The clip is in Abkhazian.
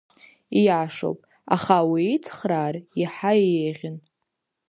Ииашоуп, аха уицхраар иаҳа еиӷьын.